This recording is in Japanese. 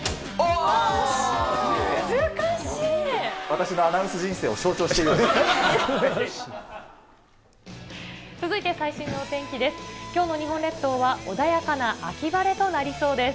私のアナウンス人生を象徴し続いて最新のお天気です。